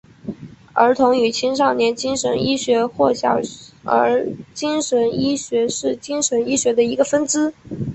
儿童与青少年精神医学或小儿精神医学是精神医学的一个分支。